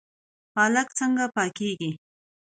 پالک څنګه پاکیږي؟